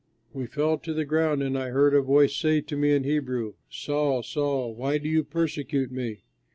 We fell to the ground, and I heard a voice say to me in Hebrew, 'Saul, Saul, why do you persecute me?